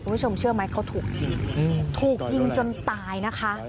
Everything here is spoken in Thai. คุณผู้ชมเชื่อไหมเขาถูกยิงถูกยิงจนตายนะคะ